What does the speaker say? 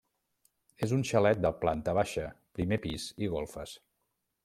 És un xalet de planta baixa, primer pis i golfes.